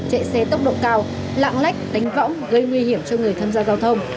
chạy xe tốc độ cao lạng lách đánh võng gây nguy hiểm cho người tham gia giao thông